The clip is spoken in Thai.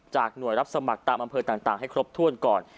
หน่วยรับสมัครตามอำเภอต่างให้ครบถ้วนก่อน